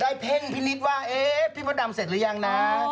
ได้เพ่งพินิษฐ์ว่าพี่มดดำเสร็จแล้วยังนะ